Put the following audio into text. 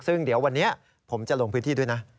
ซึ่งเดี๋ยววันนี้ผมจะลงพื้นที่ด้วยนะ